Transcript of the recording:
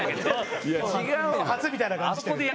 今日初みたいな感じ。